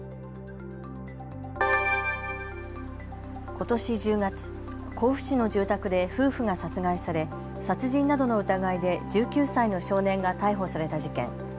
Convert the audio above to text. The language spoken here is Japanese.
ことし１０月、甲府市の住宅で夫婦が殺害され殺人などの疑いで１９歳の少年が逮捕された事件。